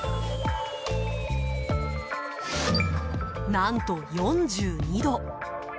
何と４２度。